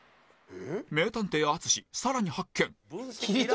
名探偵淳さらに発見